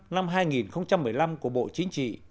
năm hai nghìn một mươi năm của bộ chính trị